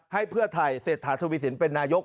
ให้เพื่อไทยเศรษฐาทวีสินเป็นนายก